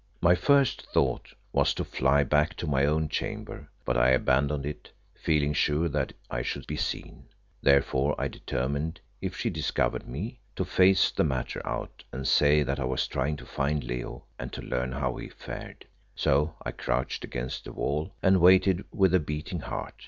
My first thought was to fly back to my own chamber, but I abandoned it, feeling sure that I should be seen. Therefore I determined, if she discovered me, to face the matter out and say that I was trying to find Leo, and to learn how he fared. So I crouched against the wall, and waited with a beating heart.